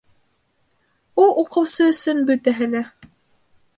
Ул укыусы өсөн бөтәһе лә